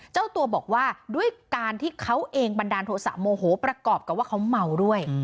เจ้าตัวบอกว่าด้วยการที่เขาเองบันดาลโทษะโมโหประกอบกับว่าเขาเมาด้วย